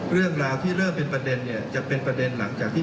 เรื่องราวที่เริ่มเป็นประเด็นเนี่ยจะเป็นประเด็นหลังจากที่